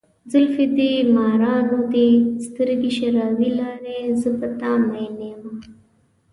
زلفې دې مارانو دي، سترګې شرابي لارې، زه په ته ماين یمه.